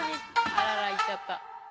あらら行っちゃった。